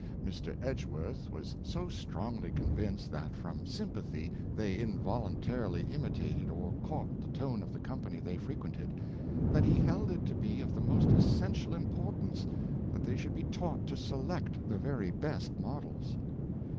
Mr. Edgeworth was so strongly convinced that from sympathy they involuntarily imitated or caught the tone of the company they frequented, that he held it to be of the most essential importance that they should be taught to select the very best models.